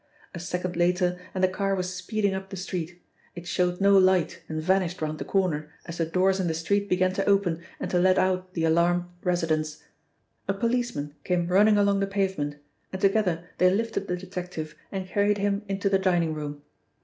A second later and the car was speeding up the street; it showed no light and vanished round the corner as the doors in the street began to open and to let out the alarmed residents. A policeman came running along the pavement, and together they lifted the detective and carried him into the dining room.